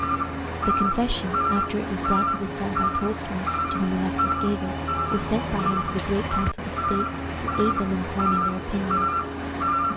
This confession, after it was brought to the Czar by Tolstoi, to whom Alexis gave it, was sent by him to the great council of state, to aid them in forming their opinion.